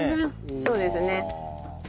そうですね。